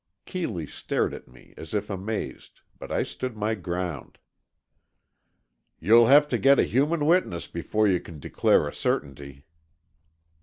Keeley stared at me, as if amazed, but I stood my ground. "You'll have to get a human witness before you can declare a certainty."